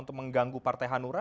untuk mengganggu partai hanura